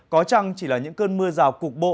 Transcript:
có chăng chỉ là những cơn mưa rào cục bộ